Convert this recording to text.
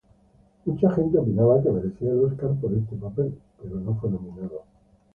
Mucha gente opinaba que merecía el Oscar por este papel, pero no fue nominado.